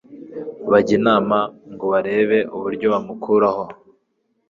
bajya inama ngo barebe uburyo bamukuraho.